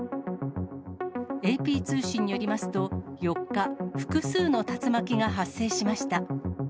ＡＰ通信によりますと、４日、複数の竜巻が発生しました。